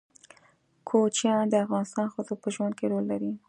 کوچیان د افغان ښځو په ژوند کې رول لري.